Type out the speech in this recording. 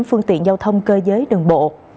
phương tiện giao thông cơ giới đường bộ